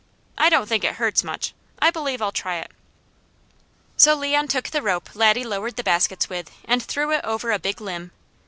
I don't think it hurts much; I believe I'll try it." So Leon took the rope Laddie lowered the baskets with, and threw it over a big limb.